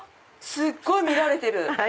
すっごい見られてる！